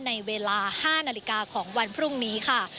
ในเวลา๕นาฬิกาของวันพรุ่งนี้ค่ะ